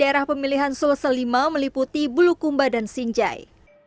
daerah pemilihan sulselima meliputi bulukumba dan sinjai